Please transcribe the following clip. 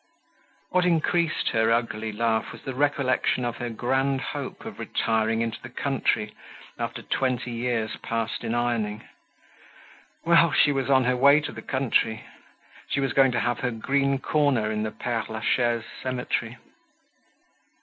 What increased her ugly laugh was the recollection of her grand hope of retiring into the country after twenty years passed in ironing. Well! she was on her way to the country. She was going to have her green corner in the Pere Lachaise cemetery.